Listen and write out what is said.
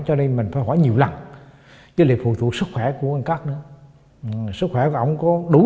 tôi nói là tôi bỏ mua gậu tôi không có mua